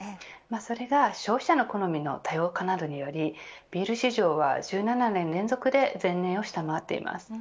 それが消費者の好みの多様化などによりビール市場は１７年連続で前年を下回っています。